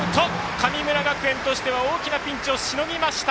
神村学園としては大きなピンチをしのぎました。